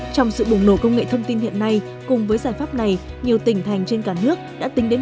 trong sự bùng nổ công nghệ thông tin hiện nay cùng với giải pháp này nhiều tỉnh thành trên cả nước đã tính đến